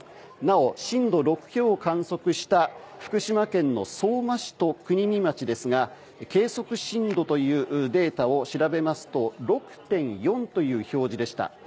なお震度６強を観測した福島県の相馬市と国見町ですが計測震度というデータを調べますと６．４という表示でした。